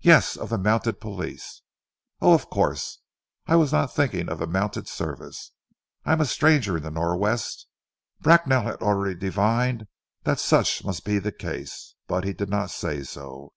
"Yes, of the Mounted Police." "Oh, of course! I was not thinking of the Mounted service. I am a stranger in the Nor' West " Bracknell had already divined that such must be the case, but he did not say so.